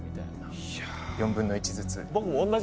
４分の１ずつ。